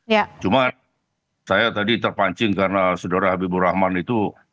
ya cuma saya tadi terpancing karena saudara habibur rahman itu